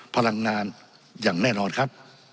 พลังงานอย่างแน่นอนครับ